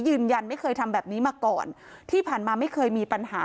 ยืนยันไม่เคยทำแบบนี้มาก่อนที่ผ่านมาไม่เคยมีปัญหา